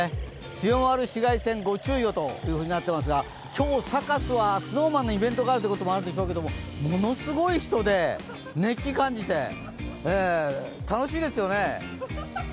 強まる紫外線ご注意をとなっていますが、今日、サカスはＳｎｏｗＭａｎのイベントもあるということもあるんでしょうけどものすごい人で熱気感じて、楽しいですよね。